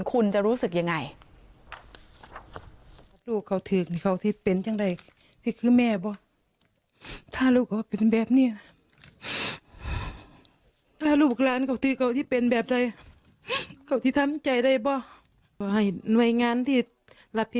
คุณจะรู้สึกยังไง